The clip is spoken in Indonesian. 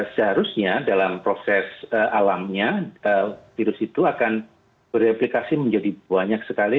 seharusnya dalam proses alamnya virus itu akan bereplikasi menjadi banyak sekali